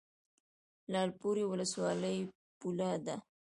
لعل پورې ولسوالۍ پوله ده؟